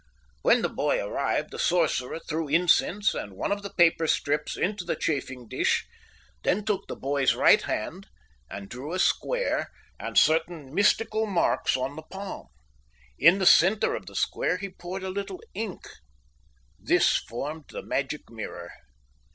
When the boy arrived, the sorcerer threw incense and one of the paper strips into the chafing dish, then took the boy's right hand and drew a square and certain mystical marks on the palm. In the centre of the square he poured a little ink. This formed the magic mirror.